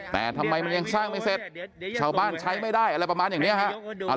แต่ทำไมมันยังสร้างไม่เสร็จชาวบ้านใช้ไม่ได้อะไรประมาณอย่างนี้ฮะ